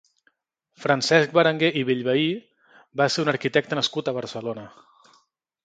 Francesc Berenguer i Bellvehí va ser un arquitecte nascut a Barcelona.